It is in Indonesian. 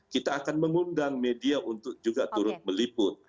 kita akan mengundang media untuk juga turut meliput